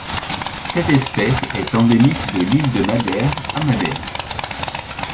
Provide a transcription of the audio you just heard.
Cette espèce est endémique de l'île de Madère à Madère.